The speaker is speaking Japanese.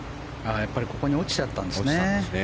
やっぱりここに落ちちゃったんですね。